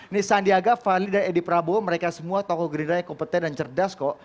nisandriaga fali dan edi prabowo mereka semua tokoh gerindra yang kompeten dan cerdas kok